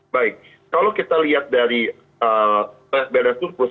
baik kalau kita lihat dari badan surplus